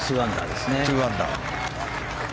２アンダー。